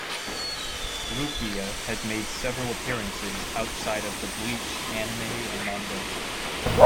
Rukia has made several appearances outside of the "Bleach" anime and manga.